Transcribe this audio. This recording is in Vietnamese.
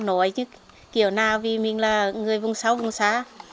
nói kiểu nào vì mình là người vùng xáu vùng xá